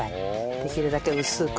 できるだけ薄く。